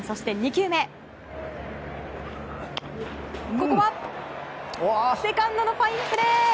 ここはセカンドのファインプレー。